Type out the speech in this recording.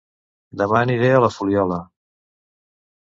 Dema aniré a La Fuliola